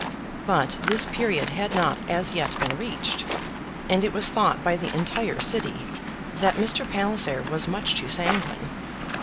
But this period had not as yet been reached, and it was thought by the entire City that Mr. Palliser was much too sanguine.